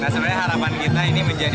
sebenarnya harapan kita ini menjadi